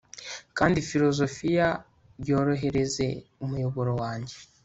kandi filozofiya yorohereze umuyoboro wanjye